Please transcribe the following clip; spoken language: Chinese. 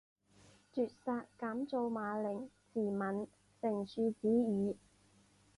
绝杀，减灶马陵自刎，成竖子矣